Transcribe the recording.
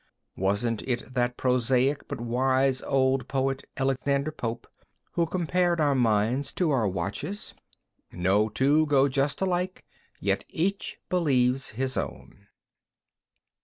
Wasn't it that prosaic but wise old poet, Alexander Pope, who compared our minds to our watches? "No two go just alike, yet each believes his own."